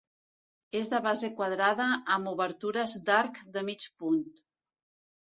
És de base quadrada amb obertures d'arc de mig punt.